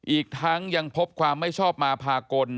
อีกทั้งยังพบความไม่ชอบมาพากล